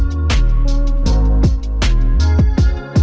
hẹn gặp lại